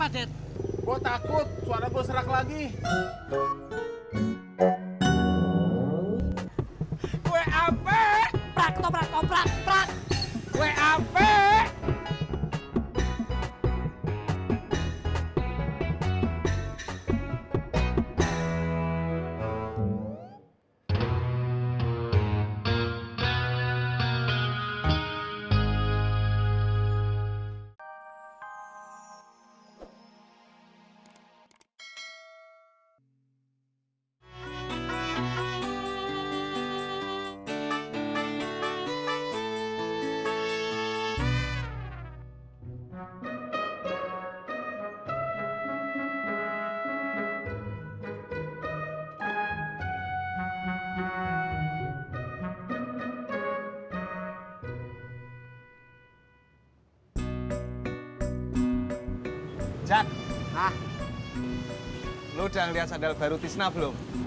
jad lo udah ngeliat sadar baru tisna belum